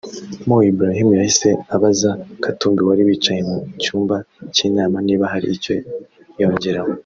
Mo Ibrahim yahise abaza Katumbi wari wicaye mu cyumba cy’inama niba hari icyo yongeraho